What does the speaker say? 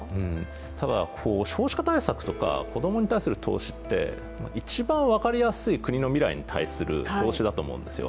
ただ、少子化対策とか子供に対する投資って一番分かりやすい国の未来に対する投資だと思うんですよ。